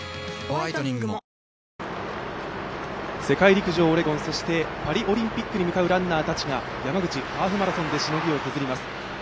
世界陸上オレゴンそして、パリオリンピックへ向かうランナーたちが山口ハーフマラソンでしのぎを削ります。